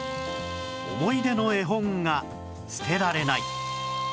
思い出の絵本が捨てられない